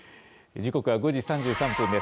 時刻は５時３３分です。